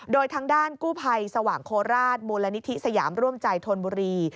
โดยทางด้านกู้ภัยสว่างโคราชมูลนิธิสยามร่วมใจธนบุรี